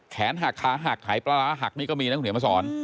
หักขาหักหายปลาร้าหักนี่ก็มีนะคุณเหนียวมาสอน